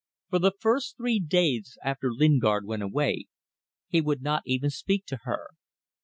For the first three days after Lingard went away he would not even speak to her.